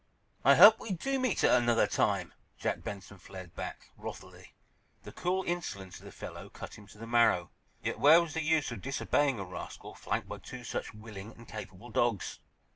"I hope we do meet at another time!" Jack Benson flared back, wrathily. The cool insolence of the fellow cut him to the marrow, yet where was the use of disobeying a rascal flanked by two such willing and capable dogs?